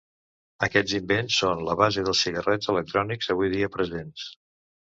Aquests invents són la base dels cigarrets electrònics avui dia presents.